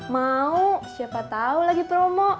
mau siapa tahu lagi promo